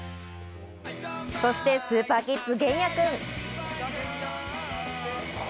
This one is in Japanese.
そしてスーパーキッズ・弦矢くん。